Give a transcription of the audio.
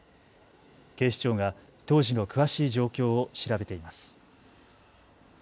警視庁が当時の詳しい状況を調べています。